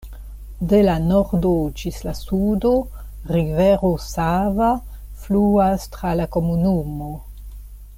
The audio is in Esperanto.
De la nordo ĝis la sudo, rivero Sava fluas tra la komunumo.